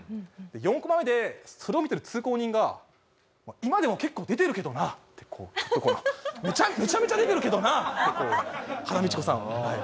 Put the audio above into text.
４コマ目でそれを見てる通行人が「今でも結構出てるけどな」ってこう「めちゃめちゃ出てるけどな」ってこう羽田美智子さんにはい。